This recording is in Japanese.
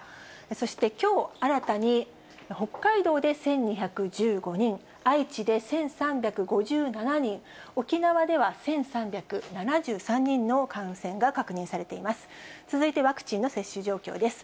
そしてきょう新たに、北海道で１２１５人、愛知で１３５７人、沖縄では１３７３人の感染が確認されています。